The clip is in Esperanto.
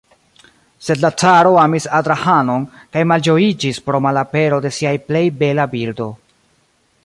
Sed la caro amis Adrahanon kaj malĝojiĝis pro malapero de sia plej bela birdo.